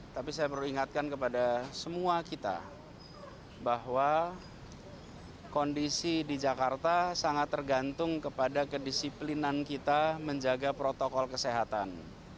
tapi saya perlu ingatkan kepada semua kita bahwa kondisi di jakarta sangat tergantung kepada kedisiplinan kita menjaga protokol kesehatan